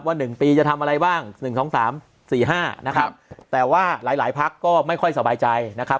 หนึ่งปีจะทำอะไรบ้าง๑๒๓๔๕นะครับแต่ว่าหลายหลายพักก็ไม่ค่อยสบายใจนะครับ